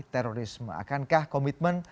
terorisme akankah komitmen